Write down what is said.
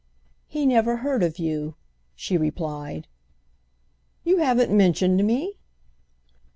"He never heard of you," she replied. "You haven't mentioned me?"